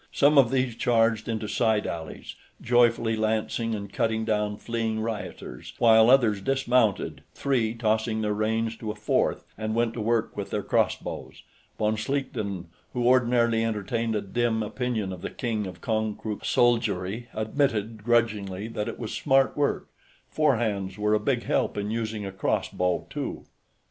Some of these charged into side alleys, joyfully lancing and cutting down fleeing rioters, while others dismounted, three tossing their reins to a fourth, and went to work with their crossbows. Von Schlichten, who ordinarily entertained a dim opinion of the King of Konkrook's soldiery, admitted, grudgingly, that it was smart work; four hands were a big help in using a crossbow, too.